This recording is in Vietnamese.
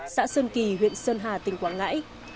xã sơn kỳ huyện sơn hà tỉnh quảng ngãi